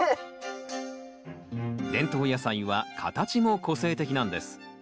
伝統野菜は形も個性的なんです。